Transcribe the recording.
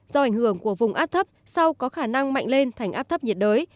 do ảnh hưởng của vùng áp thấp sau có khả năng mạnh lên thành áp thấp nhiệt đới